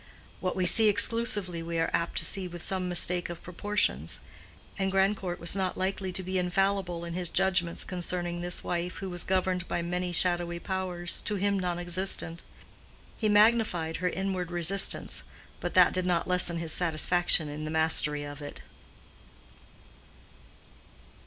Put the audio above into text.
What we see exclusively we are apt to see with some mistake of proportions; and Grandcourt was not likely to be infallible in his judgments concerning this wife who was governed by many shadowy powers, to him nonexistent. He magnified her inward resistance, but that did not lessen his satisfaction in the mastery of it.